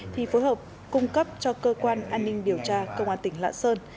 thì phối hợp cung cấp cho cơ quan an ninh điều tra công an tỉnh lạng sơn